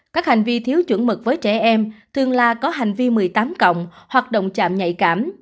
các hành vi thiếu chuẩn mực với trẻ em thường là có hành vi một mươi tám cộng hoạt động chạm nhạy cảm